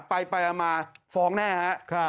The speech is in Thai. ไปอามาฟ้องแน่หะ